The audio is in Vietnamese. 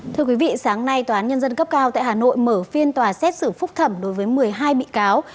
thưa quý vị sáng nay tòa án nhân dân cấp cao tại hà nội mở phiên tòa xét xử phúc thẩm đối với một mươi hai bị cáo